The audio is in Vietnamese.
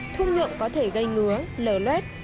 thuốc nhuộm có thể gây ngứa lở lết